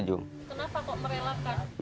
kenapa kok merelakan